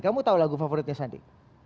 kamu tahu lagu favoritnya sandi